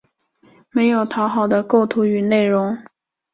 没有讨好的构图与内容